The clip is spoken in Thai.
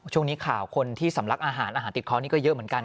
ช่วงนี้ข่าวคนที่สำลักอาหารอาหารติดเขานี่ก็เยอะเหมือนกัน